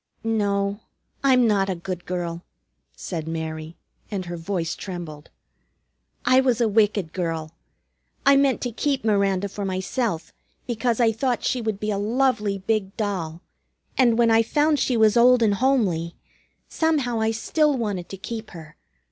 "No, I'm not a good girl," said Mary, and her voice trembled. "I was a wicked girl. I meant to keep Miranda for myself, because I thought she would be a lovely big doll. And when I found she was old and homely, somehow I still wanted to keep her.